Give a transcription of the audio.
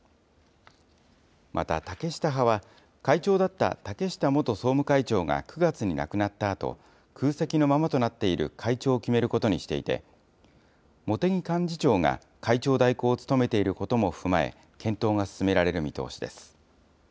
また、竹下派は会長だった竹下元総務会長が９月に亡くなったあと、空席のままとなっている会長を決めることにしていて、茂木幹事長が会長代行を務めていることも踏まえ、検討が進められる見通しです。